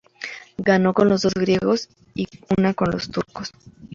Ganó dos con los griegos y una con los turcos.